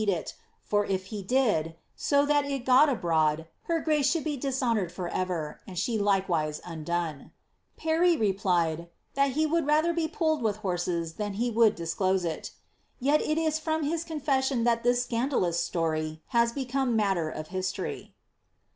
98 JILIIABBTH* pett it, for if he did, so that it got abroad, her grace should be disho* noured for ever, and she likewise undooe.' Pany replied, ^ that he would rather be pulled with horses than he would disclose it.^' Tet it is from his confession that this scandalous story has becooie matter of history.